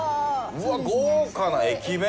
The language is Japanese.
うわっ豪華な駅弁！